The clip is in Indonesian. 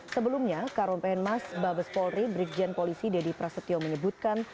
sebelumnya karun pn mas babes polri berikjen polisi deddy prasetyo menyebutkan